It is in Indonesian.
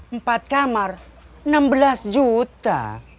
empat kamar enam belas juta